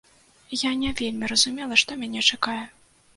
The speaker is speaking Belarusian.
Я не вельмі разумела, што мяне чакае.